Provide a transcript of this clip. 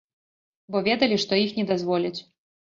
Бо ведалі, што іх не дазволяць.